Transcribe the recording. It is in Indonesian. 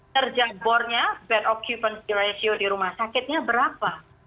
kerja board nya bed occupancy ratio di rumah sakitnya berapa